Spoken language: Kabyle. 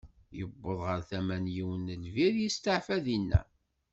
Iwweḍ ɣer tama n yiwen n lbir, isteɛfa dinna.